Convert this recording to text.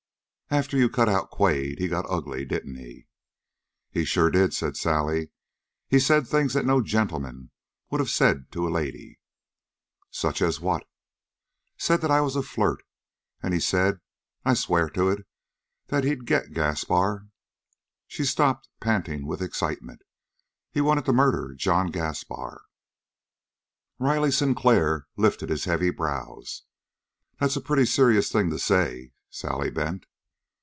"After you cut out Quade, he got ugly, didn't he?" "He sure did!" said Sally. "He said things that no gentleman would of said to a lady." "Such as what?" "Such as that I was a flirt. And he said, I swear to it, that he'd get Gaspar!" She stopped, panting with excitement. "He wanted to murder John Gaspar!" Riley Sinclair lifted his heavy brows. "That's a pretty serious thing to say, Sally Bent."